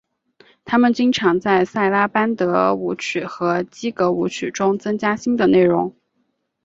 他们经常在萨拉班德舞曲和基格舞曲中增加新的内容。